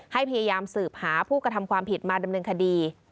ให้พยายามสืบหาผู้กระทำความผิดมาดำเนินคดี